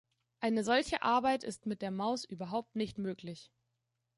Eine solche Arbeit ist mit der Maus überhaupt nicht möglich.